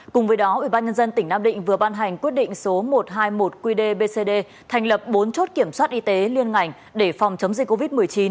cùng với đó ubnd tỉnh nam định vừa ban hành quyết định số một trăm hai mươi một qdbcd thành lập bốn chốt kiểm soát y tế liên ngành để phòng chống dịch covid một mươi chín